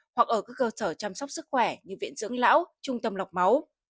hoặc ở các cơ sở chăm sóc sức khỏe như viện dưỡng lão trung tâm lọc máu